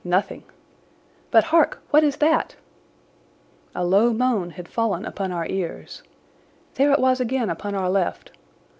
"Nothing." "But, hark, what is that?" A low moan had fallen upon our ears. There it was again upon our left!